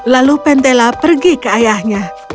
lalu pentela pergi ke ayahnya